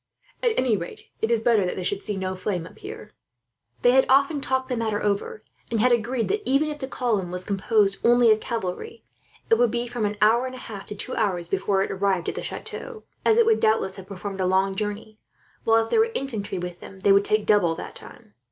At any rate, it is better that they should see no flame up here." They had often talked the matter over, and had agreed that, even if the column was composed only of cavalry, it would be from an hour and a half to two hours before it arrived at the chateau, as it would doubtless have performed a long journey; while if there were infantry with them, they would take double that time.